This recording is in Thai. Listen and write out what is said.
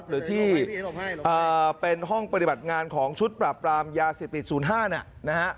หรือที่เป็นห้องปฏิบัติงานของชุดปราบปรามยาเสพติด๐๕นะฮะ